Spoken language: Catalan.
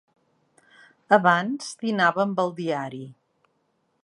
Abans dinava amb el diari.